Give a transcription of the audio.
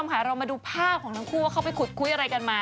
เรามาดูภาพของทั้งคู่ว่าเขาไปขุดคุยอะไรกันมา